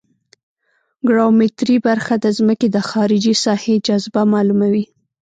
ګراومتري برخه د ځمکې د خارجي ساحې جاذبه معلوموي